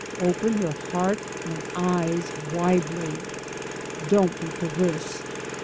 Open your heart and eyes widely. Don't be perverse.